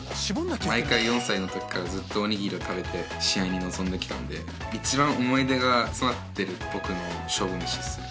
毎回４歳のときからずっとおにぎりを食べて試合に臨んできたんで一番思い出が詰まってる僕の勝負めしです。